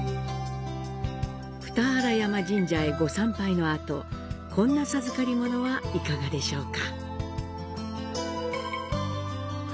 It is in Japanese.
二荒山神社へご参拝のあと、こんな授かり物はいかがでしょうか。